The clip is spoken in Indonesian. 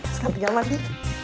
sekarang tinggal mati